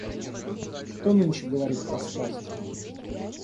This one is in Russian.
Кто нынче говорит про страсти?